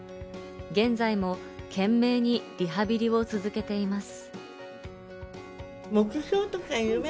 現在も懸命にリハビリを続けています。